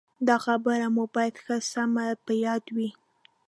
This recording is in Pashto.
دا خبره مو باید ښه سمه په یاد وي.